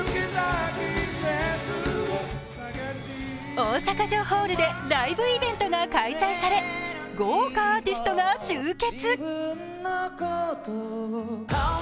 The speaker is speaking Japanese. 大阪城ホールでライブイベントが開催され豪華アーティストが集結。